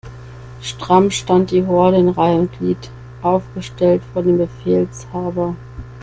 Stramm stand die Horde in Reih' und Glied aufgestellt vor dem Befehlshaber.